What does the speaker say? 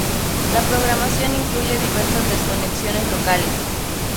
La programación incluye diversas desconexiones locales.